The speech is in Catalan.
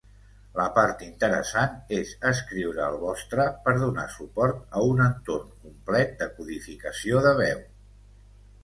La part interessant és escriure el vostre per donar suport a un entorn complet de codificació de veu.